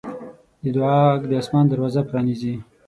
د دعا غږ د اسمان دروازه پرانیزي.